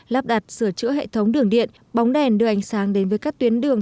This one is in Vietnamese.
lắp đặt sửa chữa hệ thống đường điện bóng đèn đưa ánh sáng đến với các tuyến đường